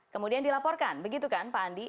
kemudian dilaporkan begitu kan pak andi